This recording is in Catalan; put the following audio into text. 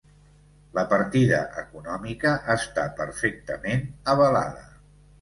La partida econòmica està perfectament avalada.